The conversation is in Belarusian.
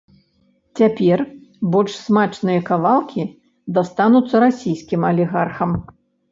Цяпер больш смачныя кавалкі дастануцца расійскім алігархам.